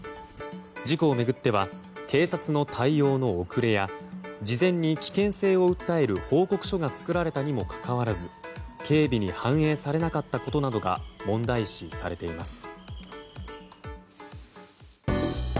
事故を巡っては警察の対応の遅れや事前に危険性を訴える報告書が作られたにもかかわらず警備に反映されなかったことなどが問題視されています。